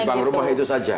gerbang rumah itu saja